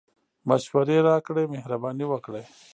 مشوري راکړئ مهربانی وکړئ